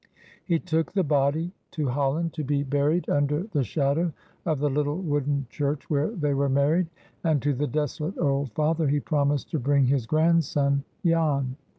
He took the body to Holland, to be buried under the shadow of the little wooden church where they were married; and to the desolate old father he promised to bring his grandson—Jan.